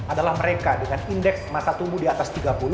adalah mereka dengan indeks mata tumbuh di atas tiga puluh